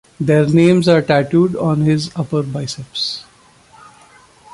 Their names are tattooed on his upper biceps.